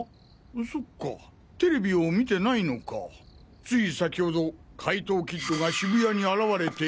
そっかＴＶを観てないのかつい先程怪盗キッドが渋谷に現れて。